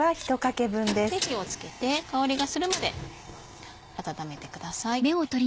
火をつけて香りがするまで温めてください。